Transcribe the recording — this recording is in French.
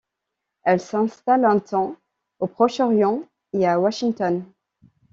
Elle s'installe un temps au Proche-Orient et à Washington.